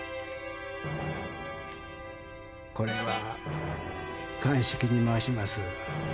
これは鑑識に回します。